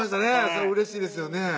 それはうれしいですよね